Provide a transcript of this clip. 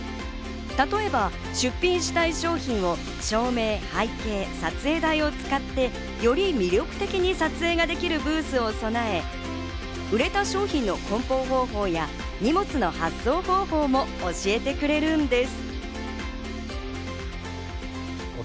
例えば、出品したい商品を照明、背景、撮影台を使ってより魅力的に撮影ができるブースを備え、売れた商品の梱包方法や荷物の発送方法も教えてくれるんです。